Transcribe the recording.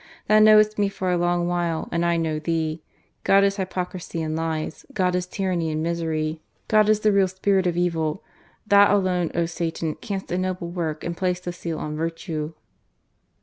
Thou knowest me for a long while and I know thee. ... God is hypocrisy and lies, God is tyranny and misery. God is the real spirit of evil. Thou, alone. 29= GARCIA MORENO. Satan, canst ennoble work, and place the seal on virtue."